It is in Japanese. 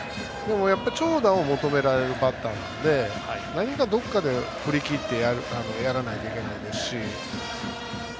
長打を求められるバッターなので何か、どこかで振り切ってやらないといけないですし。